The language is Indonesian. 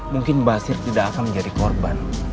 mungkin basir tidak akan menjadi korban